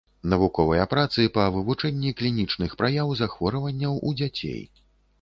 Навуковыя працы па вывучэнні клінічных праяў захворванняў у дзяцей.